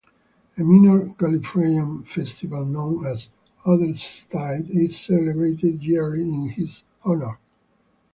A minor Gallifreyan festival known as Otherstide is celebrated yearly in his honour.